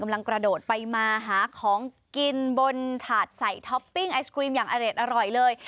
กระโดดไปมาหาของกินบนถาดใส่ท็อปปิ้งไอศครีมอย่างอเด็ดอร่อยเลย